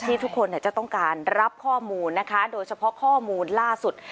ทุกคนจะต้องการรับข้อมูลนะคะโดยเฉพาะข้อมูลล่าสุด